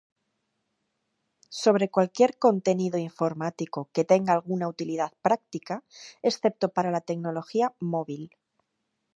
Sobre cualquier contenido informático que tenga alguna utilidad práctica excepto para la tecnología móvil.